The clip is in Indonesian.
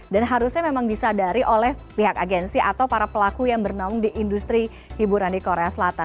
dan harusnya memang disadari oleh pihak agensi atau para pelaku yang bernom di industri hiburan di korea selatan